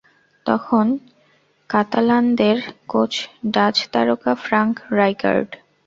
তখন কাতালানদের coach Dutch তারকা ফ্রাঙ্ক রাইকার্ড।